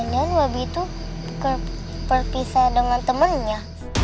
ohulya nyoto itu berpisah dengan temennya